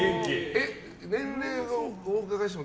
年齢はお伺いしても？